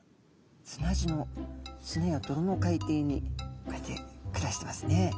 砂地の砂やどろの海底にこうやって暮らしてますね。